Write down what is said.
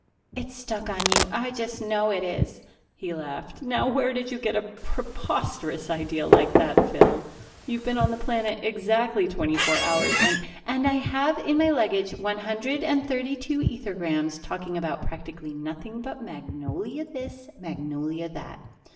It's stuck on you; I just know it is." He laughed. "Now where did you get a preposterous idea like that, Phyl? You've been on the planet exactly twenty four hours and "" and I have, in my luggage, one hundred and thirty two ethergrams talking about practically nothing but Magnolia this, Magnolia that.